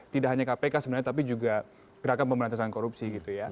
tidak hanya kpk sebenarnya tapi juga gerakan pemberantasan korupsi